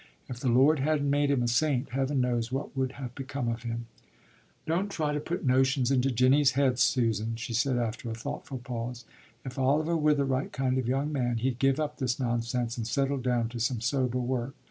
If the Lord hadn't made him a saint, Heaven knows what would have become of him!" "Don't try to put notions into Jinny's head, Susan," she said after a thoughtful pause. "If Oliver were the right kind of young man, he'd give up this nonsense and settle down to some sober work.